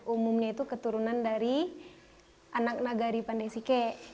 umumnya itu keturunan dari anak nagari pandai sike